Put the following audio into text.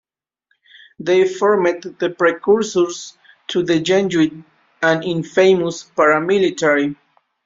They formed the precursors to the Janjaweed - an infamous para-military.